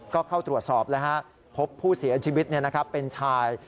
ก็เข้าตรวจสอบพบผู้เสียชีวิตเป็นชาย